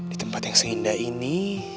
di tempat yang seindah ini